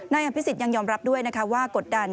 นางพิสิตยังยอมรับด้วยว่ากฎดัน